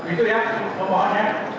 itu ya termohonnya